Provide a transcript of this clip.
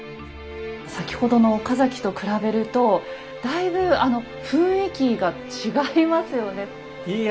先ほどの岡崎と比べるとだいぶ雰囲気が違いますよね。